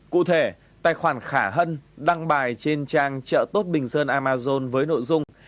cụ thể tài khoản khả hân đăng bài trên trang trợ tốt bình sơn amazon với nội dung